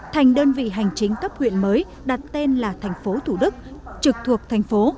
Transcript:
thành đơn vị hành chính cấp huyện mới đặt tên là tp thủ đức trực thuộc thành phố